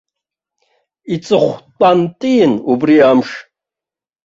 Иҵыхәтәантәиин убри амш.